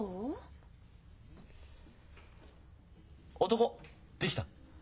男できた？